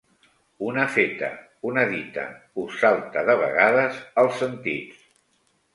Una feta, una dita, us salta de vegades als sentits.